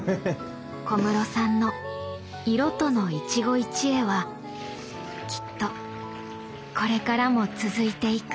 小室さんの色との一期一会はきっとこれからも続いていく。